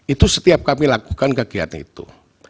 itu setiap kami lakukan kegiatan itu